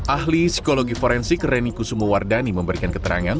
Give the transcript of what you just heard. ahli psikologi forensik reni kusumo wardani memberikan keterangan